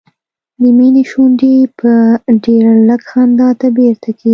د مينې شونډې به ډېر لږ خندا ته بیرته کېدې